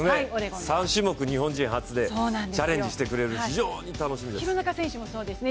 ３種目、日本人初でチャレンジしてくれる廣中選手もそうですね。